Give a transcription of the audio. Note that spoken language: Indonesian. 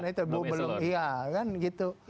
itu belum iya kan gitu